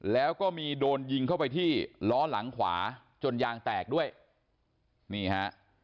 แล้วก็มีโดนยิงเข้าไปที่ล้อหลังขวาจนยางแตกด้วยนี่ฮะ